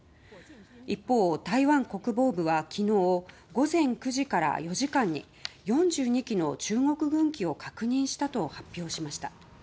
一方、台湾国防部は昨日午前９時から４時間の間に４２機の中国軍機を確認したと発表しました。